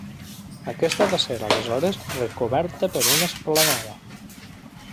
Aquesta va ser aleshores recoberta per una esplanada.